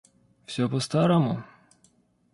Всё по старому?